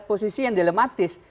posisi yang dilematis